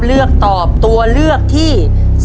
เลือกตอบตัวเลือกที่๓